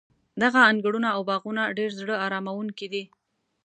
دغه انګړونه او باغونه ډېر زړه اراموونکي دي.